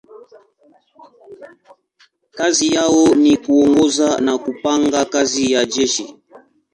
Kazi yao ni kuongoza na kupanga kazi ya jeshi.